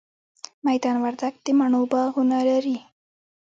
میدان وردګ د مڼو باغونه لري